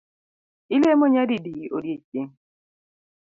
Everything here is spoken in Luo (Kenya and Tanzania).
Ilemo nyadidi odiechieng’?